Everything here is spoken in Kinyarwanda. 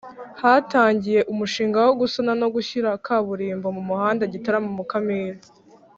Hatangiye umushinga wo gusana no gushyira kaburimbo mu muhanda Gitarama Mukamira